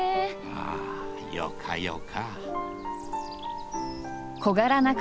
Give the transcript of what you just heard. あーよかよか。